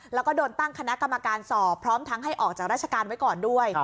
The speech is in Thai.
แล้วก็โดนตั้งคณะกรรมการสอบพร้อมทั้งให้ออกจากราชการไว้ก่อนด้วย